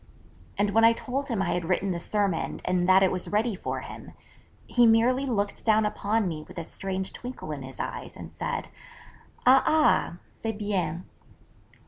_ And when I told him I had written the sermon and that it was ready for him, he merely looked down upon me with a strange twinkle in his eyes, and said, '_A ah, c'est bien.